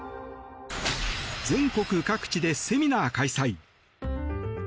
全国各地でセミナー開催。